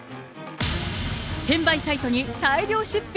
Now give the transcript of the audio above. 転売サイトに大量出品。